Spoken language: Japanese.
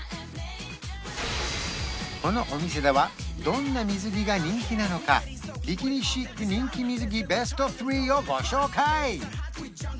このお店ではどんな水着が人気なのかビキニ・シック人気水着ＢＥＳＴ３をご紹介！